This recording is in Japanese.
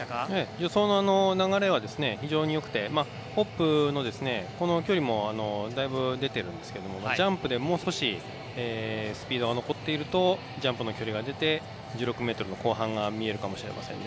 助走の流れは非常によくてホップの距離もだいぶ出ているんですがジャンプでもう少しスピードが残っているとジャンプの距離が出て１６ｍの後半が見えるかもしれませんね。